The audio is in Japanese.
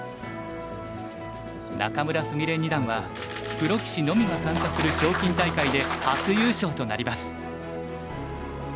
仲邑菫二段はプロ棋士のみが参加する賞金大会で初優勝となります。